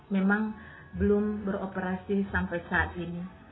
memang belum beroperasi sampai saat ini